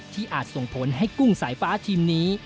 อาจส่งผลให้กุ้งสายฟ้าทีมนี้